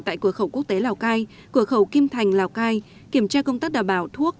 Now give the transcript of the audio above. tại cửa khẩu quốc tế lào cai cửa khẩu kim thành lào cai kiểm tra công tác đảm bảo thuốc